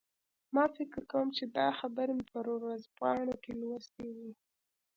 ما فکر کوم چې دا خبر مې په ورځپاڼو کې لوستی و